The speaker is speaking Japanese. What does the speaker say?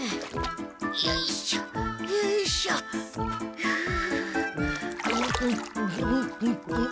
よいしょよいしょふう。